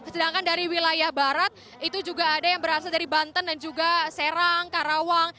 sedangkan dari wilayah barat itu juga ada yang berasal dari banten dan juga serang karawang